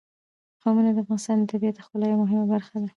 قومونه د افغانستان د طبیعت د ښکلا یوه مهمه برخه ده.